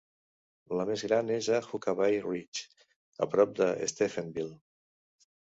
La més gran és a Huckabay Ridge, a prop de Stephenville.